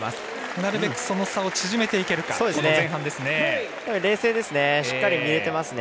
なるべく、その差を縮めていけるか、前半ですね。